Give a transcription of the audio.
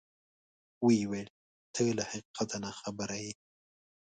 ویې ویل: ته له حقیقته ناخبره یې.